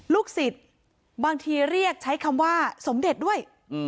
ลูกศิษย์บางทีเรียกใช้คำว่าสมเด็จด้วย